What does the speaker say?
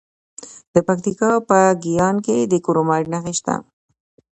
د پکتیکا په ګیان کې د کرومایټ نښې شته.